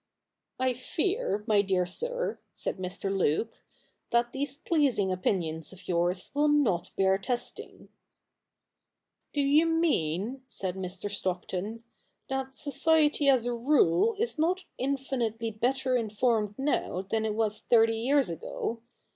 ' I fear, my dear sir," said Mr. Luke, ' that these pleasing opinions of yours will not bear testing.' c 34 THE NEW REPUBLIC [bk. i 'Do you mean,' said Mr. Stockton, 'that society as a rule is not infinitely better informed now than it was thirty years ago